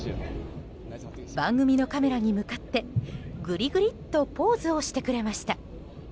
番組のカメラに向かってグリグリとポーズをしてくれました。